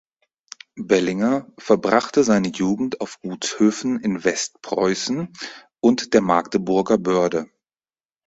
Bellinger verbrachte seine Jugend auf Gutshöfen in Westpreußen und der Magdeburger Börde.